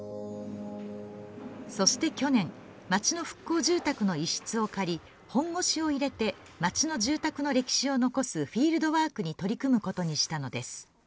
そして去年、町の復興住宅の一室を借り、本腰を入れて、町の住宅の歴史を残すフィールドワークに取り組むことにしたのです。